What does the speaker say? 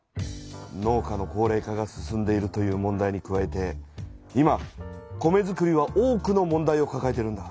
農家の高れい化が進んでいるという問題に加えて今米づくりは多くの問題をかかえているんだ。